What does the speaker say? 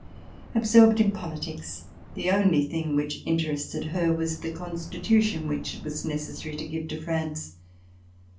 Absorbed in politics, the only thing which interested her was the Constitution which it was necessary to give to France.